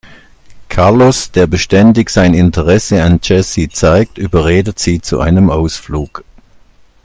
Carlos, der beständig sein Interesse an Jessie zeigt, überredet sie zu einem Ausflug.